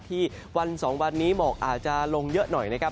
ที่วัน๒วันนี้หมอกอาจจะลงเยอะหน่อยนะครับ